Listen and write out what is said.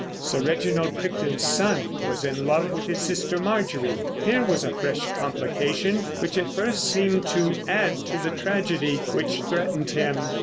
Sir Reginald Crichton's son was in love with his sister Marjorie. Here was a fresh complication which at first seemed to add to the tragedy which threatened him.